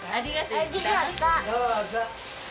どうぞ。